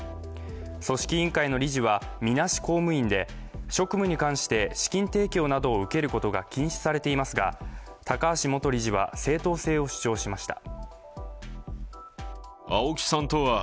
組織委員会の理事はみなし公務員で、職務に関して資金提供などを受けることが禁止されていますが、高橋元理事は正当性を主張しました。